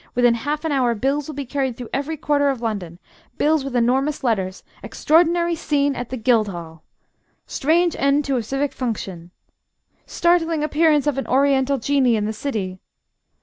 Within half an hour bills will be carried through every quarter of London bills with enormous letters: 'Extraordinary Scene at the Guildhall.' 'Strange End to a Civic Function.' 'Startling Appearance of an Oriental Genie in the City.'